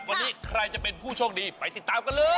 วันนี้ใครจะเป็นผู้โชคดีไปติดตามกันเลย